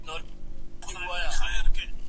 هغه وويل چي درسونه لوستل کول مهم دي،